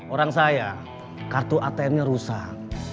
orang saya kartu atm nya rusak